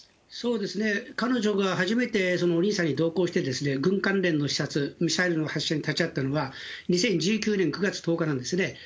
そうですね、彼女が初めてお兄さんに同行して、軍関連の視察、ミサイルの発射に立ち会ったのが、２０１９年９月１０日なんですね。